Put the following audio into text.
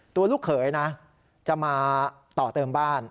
ลูกเขยนะจะมาต่อเติมบ้าน